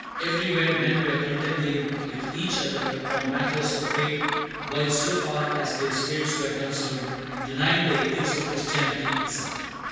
Everywhere men were contending with each other upon matters of faith, while, so far as their slaves were concerned, denying the ethics of Christianity itself.